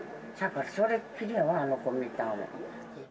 それっきりやわ、あの子見たんわ。